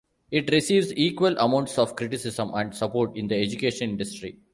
It receives equal amounts of criticism and support in the educational industry.